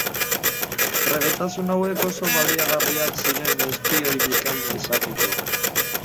Trebetasun hauek oso baliagarriak ziren espioi bikaina izateko.